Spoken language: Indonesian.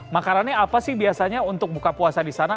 makanannya apa sih biasanya untuk buka puasa di sana